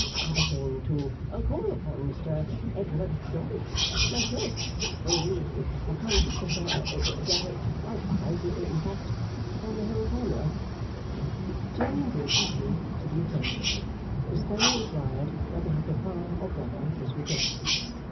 I came to call upon Mr Edward Dorrit myself. Indeed, upon Mr Dorrit likewise. In fact, upon the family.' Turning graciously to the attendants, Miss Fanny inquired whether her papa or brother was within?